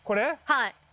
はい。